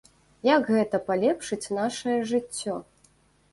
Як гэта палепшыць нашае жыццё?